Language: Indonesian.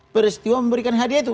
peristiwa memberikan hadiah itu